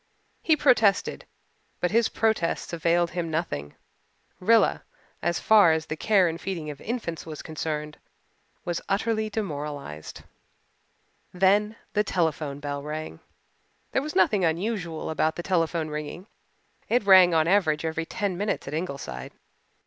He protested, but his protests availed him nothing. Rilla, as far as the care and feeding of infants was concerned, was utterly demoralized. Then the telephone bell rang. There was nothing unusual about the telephone ringing. It rang on an average every ten minutes at Ingleside.